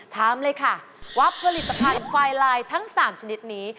ถามเลยค่ะว่าผลิตภัณฑ์ไฟไลน์ทั้ง๓ชนิดนี้